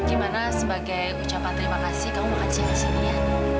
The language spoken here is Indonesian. gimana sebagai ucapan terima kasih kamu mau ke sini sini ya